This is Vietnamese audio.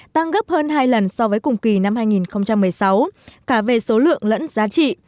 tăng gấp hơn hai lần so với cùng kỳ năm hai nghìn một mươi sáu cả về số lượng lẫn giá trị